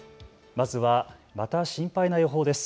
まずはまた心配な予報です。